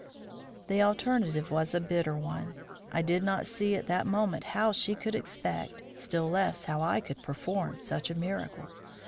The alternative was a bitter one. I did not see at that moment how she could expect, still less how I could perform, such a miracle.